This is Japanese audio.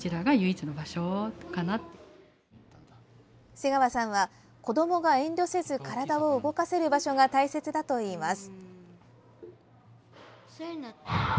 瀬川さんは子どもが遠慮せず体を動かせる場所が大切だといいます。